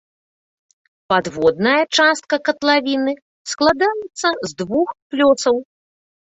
Падводная частка катлавіны складаецца з двух плёсаў.